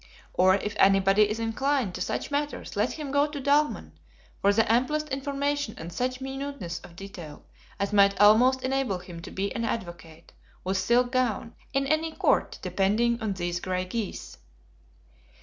Or, if anybody is inclined to such matters let him go to Dahlmann, for the amplest information and such minuteness of detail as might almost enable him to be an Advocate, with Silk Gown, in any Court depending on these Gray geese.